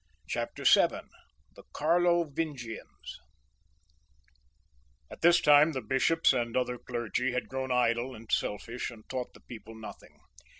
CHAPTEE VII. Thb Carlovingians (741 768). I SAID that at this time the bishops and other clergy had grown idle and selfish, and taught the people nothing.